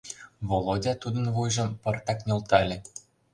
— Володя тудын вуйжым пыртак нӧлтале.